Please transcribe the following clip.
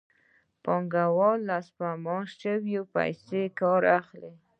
پانګوال له سپما شویو پیسو کار اخلي